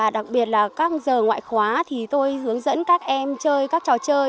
đặc biệt là các giờ ngoại khóa thì tôi hướng dẫn các em chơi các trò chơi